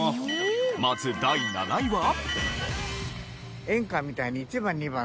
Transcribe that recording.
まず第７位は。